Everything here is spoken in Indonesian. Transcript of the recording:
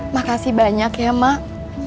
makasih banyak ya mak